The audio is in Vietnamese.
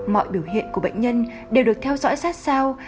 mọi biểu hiện của bệnh nhân đều được theo dõi sát sao